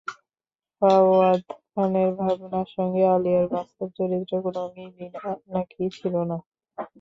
ফাওয়াদ খানের ভাবনার সঙ্গে আলিয়ার বাস্তব চরিত্রের কোনো মিলই নাকি ছিল না।